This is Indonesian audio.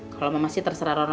kalau mama sih terserah ronron aja